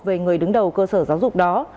về người đứng đầu cơ sở giáo dục đó